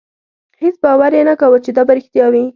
هېڅ باور یې نه کاوه چې دا به رښتیا وي.